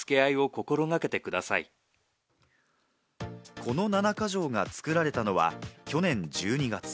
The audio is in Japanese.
この七か条が作られたのは去年１２月。